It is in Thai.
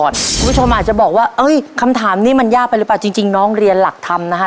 คุณผู้ชมอาจจะบอกว่าเอ้ยคำถามนี้มันยากไปหรือเปล่าจริงน้องเรียนหลักธรรมนะฮะ